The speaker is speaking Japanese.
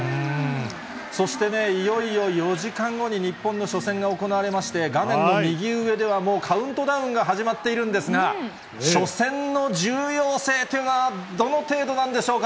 そしてね、いよいよ４時間後に日本の初戦が行われまして、画面の右上ではもうカウントダウンが始まっているんですが、初戦の重要性というのはどの程度なんでしょうか？